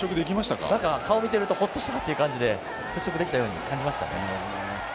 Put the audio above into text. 顔を見ていると、ホッとした感じで、払拭できたように感じましたね。